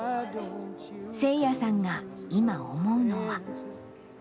聖也さんが今思うのは。